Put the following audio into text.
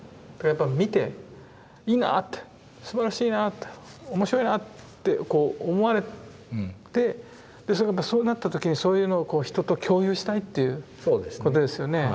だからやっぱ見ていいなってすばらしいなって面白いなって思われてそうなった時にそういうのを人と共有したいっていうことですよね。